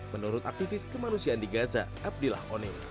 menurut aktivis kemanusiaan di gaza abdillah onim